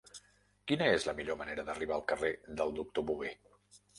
Quina és la millor manera d'arribar al carrer del Doctor Bové?